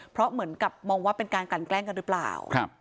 เพราะเหมือนกับมองว่าเป็นการกันแกล้งกันหรือเปล่า